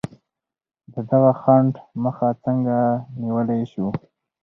د دغه خنډ مخه څنګه نیولای شو؟